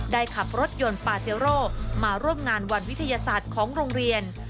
ขับรถยนต์ปาเจโร่มาร่วมงานวันวิทยาศาสตร์ของโรงเรียน